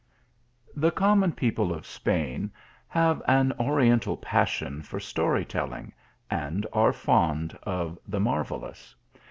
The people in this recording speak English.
THE common people of Spain have an oriental pas sion for story telling and are fond of the marvellous.